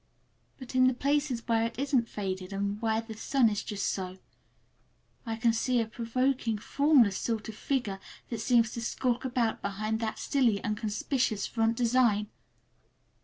But in the places where it isn't faded, and where the sun is just so, I can see a strange, provoking, formless sort of figure, that seems to sulk about behind that silly and conspicuous front design.